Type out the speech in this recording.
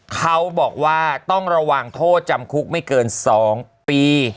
เขาบอกว่าต้องระวังโทษจำคุกไม่เกิน๒ปี